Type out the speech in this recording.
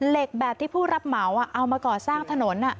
เหล็กแบบที่ผู้รับเหมาอ่ะเอามาก่อสร้างถนนอ่ะ